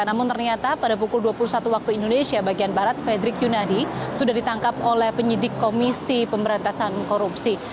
namun ternyata pada pukul dua puluh satu waktu indonesia bagian barat fredrik yunadi sudah ditangkap oleh penyidik komisi pemberantasan korupsi